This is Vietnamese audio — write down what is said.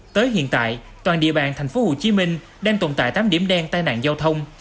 tới hiện tại toàn địa bàn tp hcm đang tồn tại tám điểm đen tai nạn giao thông